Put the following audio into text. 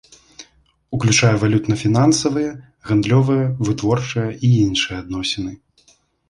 Уключае валютна-фінансавыя, гандлёвыя, вытворчыя і іншыя адносіны.